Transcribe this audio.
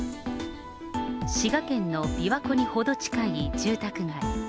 滋賀県の琵琶湖に程近い住宅街。